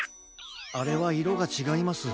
あれはいろがちがいます。